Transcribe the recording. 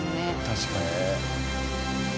確かに。